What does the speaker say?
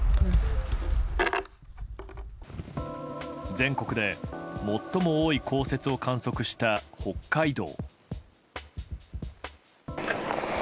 全国で最も多い降雪を観測した北海道。